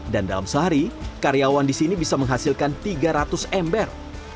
dan dalam sehari karyawan di sini bisa menghasilkan tiga ratus ember